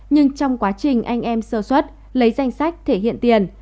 nhưng trong quá trình anh em sơ xuất lấy danh sách thể hiện tiền